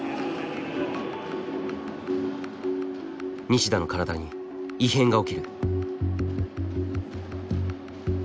西田の体に異変が起きる。